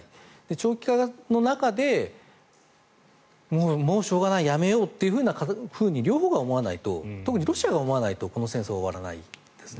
長期化の中でもうしょうがない、やめようと両方が思わないと特にロシアが思わないとこの戦争は終わらないですね。